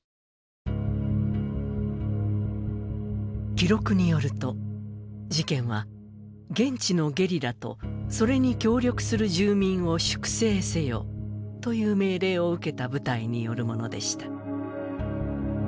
記録によると、事件は現地のゲリラと、それに協力する住民を粛正せよという命令を受けた部隊によるものでした。